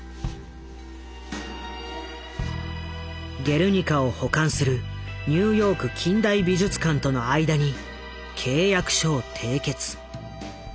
「ゲルニカ」を保管するニューヨーク近代美術館との間に契約書を締結。